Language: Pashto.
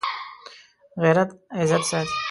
غیرت عزت ساتي